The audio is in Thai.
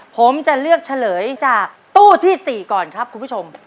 ผมจะเลือกเฉลยจากตู้ที่๔ก่อนครับคุณผู้ชม